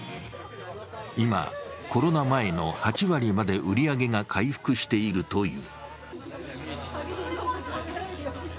今、コロナ前の８割まで売上が回復しているという。